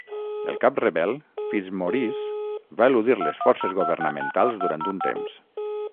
El cap rebel, Fitzmaurice, va eludir les forces governamentals durant un temps.